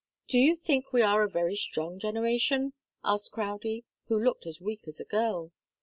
"Do you think we are a very strong generation?" asked Crowdie, who looked as weak as a girl.